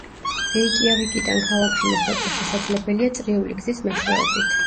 რეიკიავიკიდან ქალაქში მოხვედრა შესაძლებელია წრიული გზის მეშვეობით.